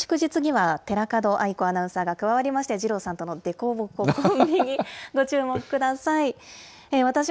土日祝日には寺門亜衣子アナウンサーが加わりまして、二郎さんとの凸凹コンビにご注目ください。